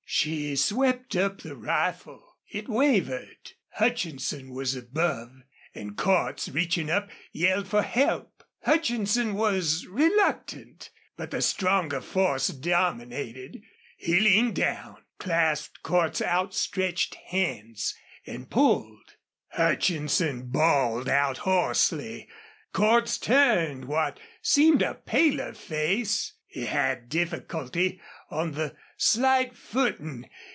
She swept up the rifle. It wavered. Hutchinson was above, and Cordts, reaching up, yelled for help. Hutchinson was reluctant. But the stronger force dominated. He leaned down clasped Cordts's outstretched hands, and pulled. Hutchinson bawled out hoarsely. Cordts turned what seemed a paler face. He had difficulty on the slight footing.